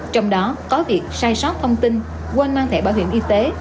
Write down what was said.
trong đó có việc sai sót thông tin quên mang thẻ bảo hiểm y tế